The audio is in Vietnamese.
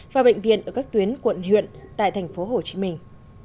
và bệnh viện ở các tuyến quận huyện tại thành phố hồ chí minh